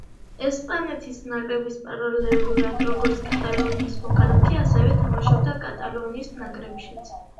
ესპანეთის ნაკრების პარალელურად, როგორც კატალონიის მოქალაქე, ასევე თამაშობდა კატალონიის ნაკრებშიც.